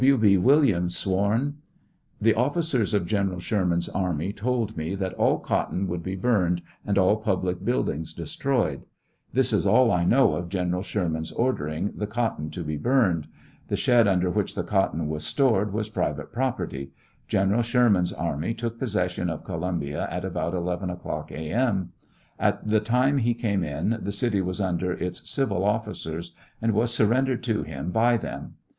W. B. Williams Sworn . The officers of General Sherman's army told me that all cotton would be burned and all public buildings destroyed. This is all I know of General Sherman's ordering the cotton to be burned. The shed under which the cotton was stored was private property. Gen. Sherman's army took possession of Columbia at about 11 o'clock, A. M. At the time he came in, the city was under its civil officers, and was surrendered to him by them.